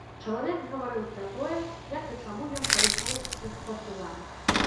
Чалавек гаварыў пра тое, як і чаму ён пайшоў у партызаны.